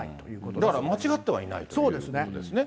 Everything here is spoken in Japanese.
だから間違ってはいないということですね。